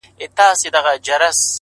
هغه چي ماته يې په سرو وینو غزل ليکله!